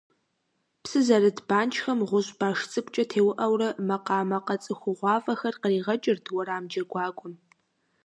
Псы зэрыт банкӏхэм гъущӏ баш цӏыкӏукӏэ теуӏэурэ макъамэ къэцӏыхугъуафӏэхэр къригъэкӏырт уэрам джэгуакӏуэм.